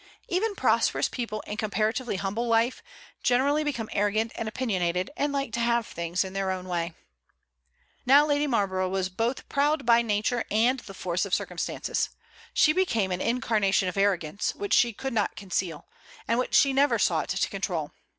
Even prosperous people in comparatively humble life generally become arrogant and opinionated, and like to have things in their own way. Now, Lady Marlborough was both proud by nature and the force of circumstances. She became an incarnation of arrogance, which she could not conceal, and which she never sought to control.